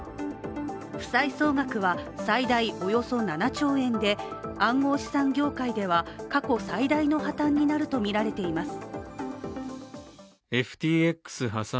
負債総額は最大およそ７兆円で暗号資産業界では過去最大の破たんになると見られています。